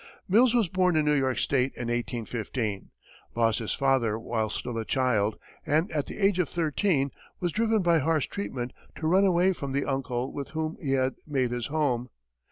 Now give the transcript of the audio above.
Mills was born in New York State in 1815, lost his father while still a child, and at the age of thirteen was driven by harsh treatment to run away from the uncle with whom he had made his home.